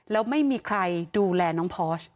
แล้วไม่มีใครดูแลน้องพอร์ช